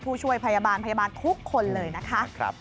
ผู้ช่วยพยาบาลพยาบาลทุกคนเลยนะคะ